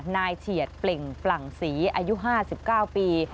นายเฉียดเพลิ่งปั่นสีอายุ๕๙ปี